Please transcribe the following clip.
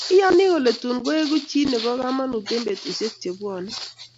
Iyoni kole tun koeku chi nebo komonut eng betusiek chebwine